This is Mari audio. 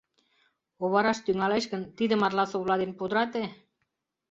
Овараш тӱҥалеш гын, тиде марла совла дене пудырате.